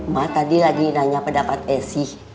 mak tadi lagi nanya pendapat esi